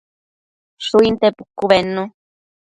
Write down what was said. Shuinte pucu bednu